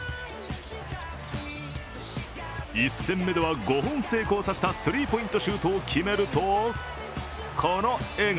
１戦目では５本成功させたスリーポイントシュートを決めるとこの笑顔。